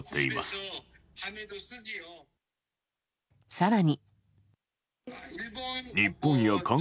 更に。